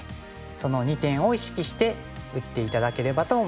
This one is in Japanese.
その２点を意識して打って頂ければと思います。